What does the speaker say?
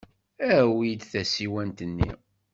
Awi-d tasiwant-nni.